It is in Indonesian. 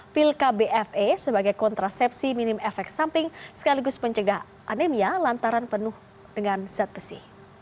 pil kbfa sebagai kontrasepsi minim efek samping sekaligus pencegah anemia lantaran penuh dengan zat besi